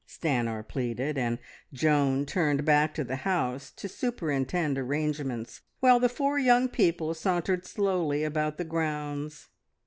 Stanor pleaded; and Joan turned back to the house to superintend arrangements, while the four young people sauntered slowly about the grounds.